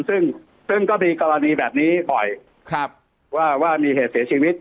ซึ่งซึ่งก็มีกรณีแบบนี้บ่อยว่ามีเหตุเสียชีวิต